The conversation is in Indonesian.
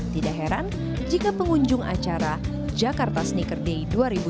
tidak heran jika pengunjung acara jakarta sneaker day dua ribu dua puluh